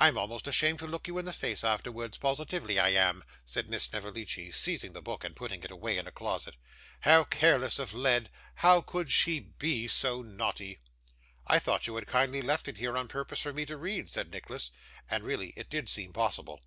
I'm almost ashamed to look you in the face afterwards, positively I am,' said Miss Snevellicci, seizing the book and putting it away in a closet. 'How careless of Led! How could she be so naughty!' 'I thought you had kindly left it here, on purpose for me to read,' said Nicholas. And really it did seem possible.